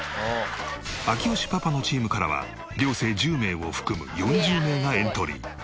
明慶パパのチームからは寮生１０名を含む４０名がエントリー。